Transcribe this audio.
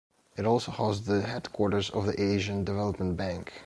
It also hosts the headquarters of the Asian Development Bank.